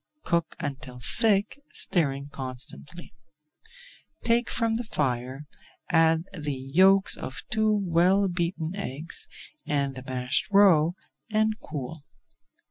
Cook until thick, stirring constantly. Take from the fire, add the yolks of two well beaten eggs, and the mashed roe, and cool.